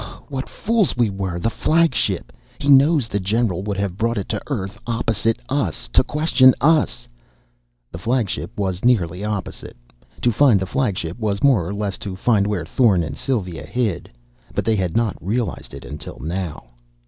"Oh, what fools we were! The flagship! He knows the General would have brought it to earth opposite us, to question us!" The flagship was nearly opposite. To find the flagship was more or less to find where Thorn and Sylva hid. But they had not realized it until now.